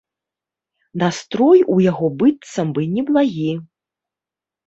Настрой у яго быццам бы неблагі.